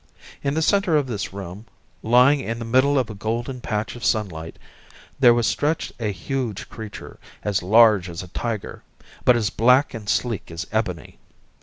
In the centre of this room, lying in the middle of a golden patch of sunlight, there was stretched a huge creature, as large as a tiger, but as black and sleek as ebony.